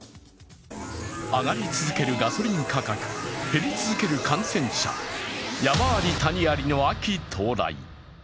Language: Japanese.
上がり続けるガソリン価格、減り続ける感染者、山あり谷ありの秋到来。